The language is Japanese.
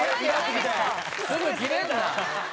すぐキレんな。